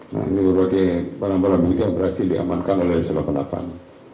nah ini berbagai barang barang bukti yang berhasil diamankan oleh nusra belapan